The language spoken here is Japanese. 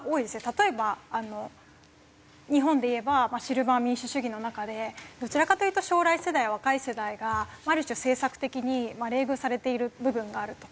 例えば日本でいえばシルバー民主主義の中でどちらかというと将来世代や若い世代がある種政策的に冷遇されている部分があると。